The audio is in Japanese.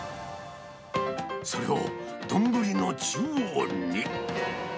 それを丼の中央に。